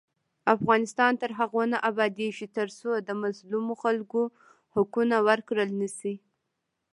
افغانستان تر هغو نه ابادیږي، ترڅو د مظلومو خلکو حقونه ورکړل نشي.